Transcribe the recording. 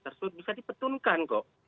tersudut bisa dipetunkan kok